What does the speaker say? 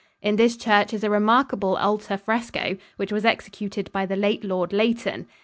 In this church is a remarkable altar fresco which was executed by the late Lord Leighton.